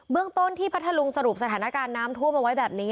เรื่องต้นที่พัทธรุงสรุปสถานการณ์น้ำท่วมเอาไว้แบบนี้